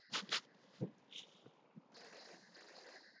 მონასტერი მდებარეობს ნახევარკუნძულის ჩრდილო-აღმოსავლეთით.